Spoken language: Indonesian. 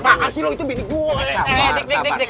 bang anjiru itu bini gue